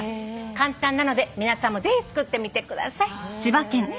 「簡単なので皆さんもぜひ作ってみてください」いいね。